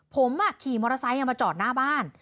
ผมขี่มอเตอร์ไซค์มาจอดหน้าบ้าน